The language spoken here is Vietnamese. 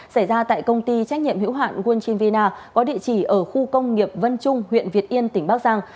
xảy ra tại công ty trách nhiệm hữu hạn walchin vina có địa chỉ ở khu công nghiệp vân trung huyện việt yên tỉnh bắc giang